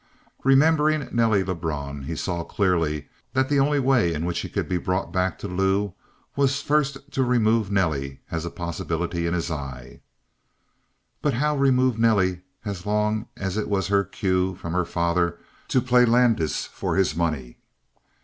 Remembering Nelly Lebrun, he saw clearly that the only way in which he could be brought back to Lou was first to remove Nelly as a possibility in his eyes. But how remove Nelly as long as it was her cue from her father to play Landis for his money?